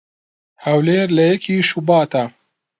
"هەولێر لە یەکی شوباتا"